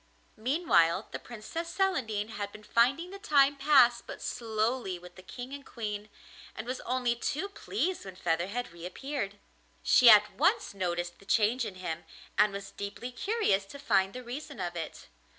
Meanwhile, the Princess Celandine had been finding the time pass but slowly with the King and Queen, and was only too pleased when Featherhead reappeared. She at once noticed the change in him, and was deeply curious to find the reason of it.